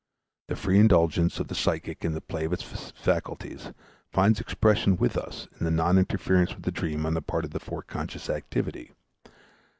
The free indulgence of the psychic in the play of its faculties finds expression with us in the non interference with the dream on the part of the foreconscious activity.